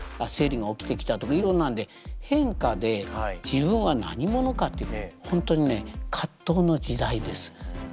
生理が起きてきたとかいろんなんで変化で自分は何者かっていうほんとにね葛藤の時代です。